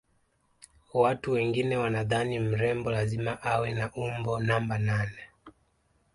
watu wengine wanadhani mrembo lazima awe na umbo namba nane